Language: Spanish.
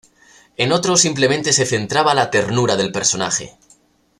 En otros simplemente se centraba la ternura del personaje.